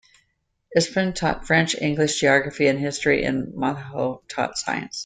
Espanca taught French, English, geography, and history and Moutinho taught science.